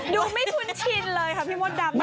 ดูไม่คุ้นชินเลยค่ะพี่มดดำ